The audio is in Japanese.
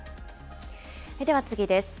では次です。